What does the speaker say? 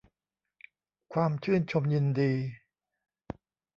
ความชื่นชมยินดี